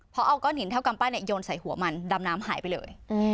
เพราะเอาก้อนหินเท่ากำปั้นโยนใส่หัวมันดำน้ำหายไปเลย